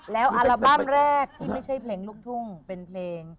แล้วอัลบั้มแรกที่ไม่ใช่เพลงลูกทุ่งเป็นเพลง